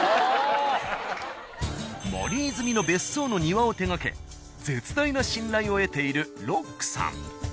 森泉の別荘の庭を手がけ絶大な信頼を得ているロックさん。